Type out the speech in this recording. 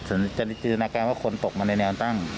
อ่ะจันทรีย์จิตนาการว่าคนตกมาในแนวตั้ง